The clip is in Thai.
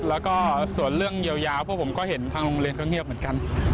แล้วก็ส่วนเรื่องยาวพวกผมก็เห็นทางโรงเรียนก็เงียบเหมือนกัน